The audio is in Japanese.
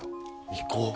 行こう